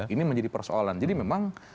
ini menjadi persoalan jadi memang